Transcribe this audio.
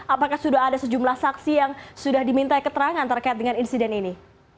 apakah sudah ada sejumlah saksi yang sudah diminta keterangan terkait dengan insiden ini